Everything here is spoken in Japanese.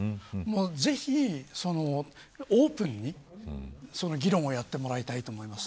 ぜひオープンに議論をやってもらいたいと思います。